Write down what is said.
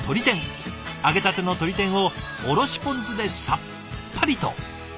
揚げたての鶏天をおろしポン酢でさっぱりと。